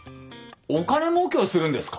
お金もうけをするんですか？